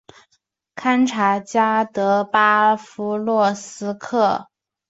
堪察加彼得巴夫洛夫斯克。